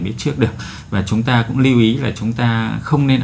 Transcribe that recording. đi trước được và chúng ta cũng lưu ý là chúng ta không nên